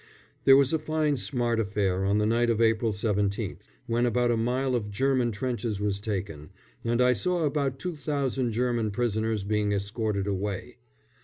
There was a fine smart affair on the night of April 17th, when about a mile of German trenches was taken, and I saw about 2000 German prisoners being escorted away.